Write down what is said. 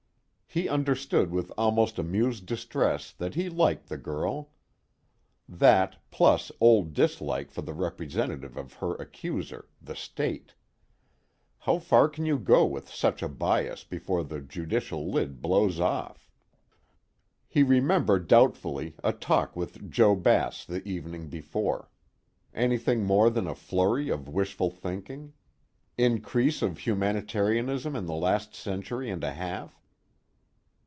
He understood with almost amused distress that he liked the girl. That, plus old dislike for the representative of her accuser the State: how far can you go with such a bias before the judicial lid blows off? He remembered doubtfully a talk with Joe Bass the evening before anything more than a flurry of wishful thinking? Increase of humanitarianism in the last century and a half?